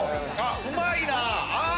うまいなぁ！